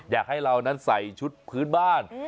อยากให้เรานั้นใส่ชุดพื้นบ้าน